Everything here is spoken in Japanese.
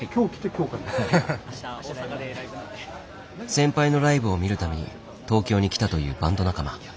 先輩のライブを見るために東京に来たというバンド仲間。